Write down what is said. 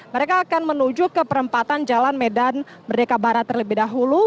mereka akan menuju ke perempatan jalan medan merdeka barat terlebih dahulu